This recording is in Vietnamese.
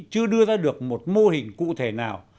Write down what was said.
chưa đưa ra được một mô hình cụ thể nào